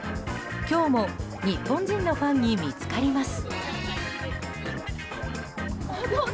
今日も、日本人のファンに見つかります。